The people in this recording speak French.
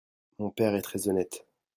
Mon père est très honnête.